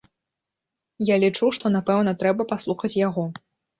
Я лічу, што, напэўна, трэба паслухаць яго.